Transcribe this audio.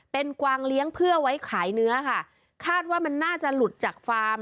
เป็นกวางเลี้ยงเพื่อไว้ขายเนื้อค่ะคาดว่ามันน่าจะหลุดจากฟาร์ม